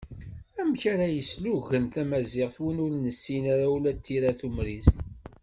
Amek ara yeslugen tamaziɣt win ur nessin ara ula d tira tumrist.